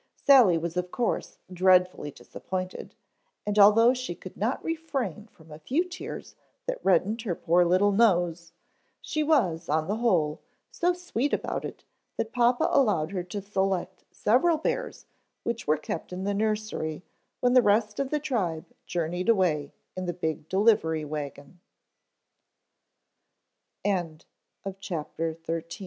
Sally was of course dreadfully disappointed, and although she could not refrain from a few tears that reddened her poor little nose, she was, on the whole, so sweet about it that papa allowed her to select several bears which were kept in the nursery when the rest of the tribe journeyed away in the big delivery wago